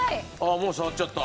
もう触っちゃった。